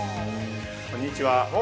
こんにちは